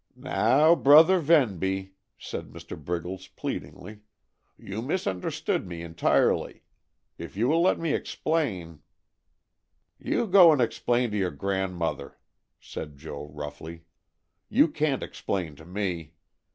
"Now, Brother Venby," said Mr. Briggles pleadingly, "you misunderstood me entirely. If you will let me explain " "You go and explain to your grandmother," said Joe roughly. "You can't explain to me.